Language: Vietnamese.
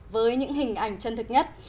với những hình ảnh chân thực nhất